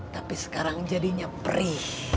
tapi sekarang jadinya beri